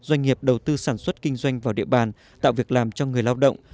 doanh nghiệp đầu tư sản xuất kinh doanh vào địa bàn tạo việc làm cho người lao động